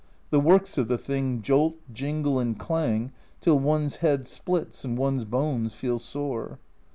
The works of the thing jolt, jingle, and clang till one's head splits and one's bones feel sore.